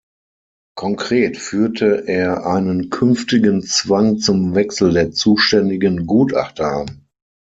Konkret führte er einen künftigen Zwang zum Wechsel der zuständigen Gutachter an.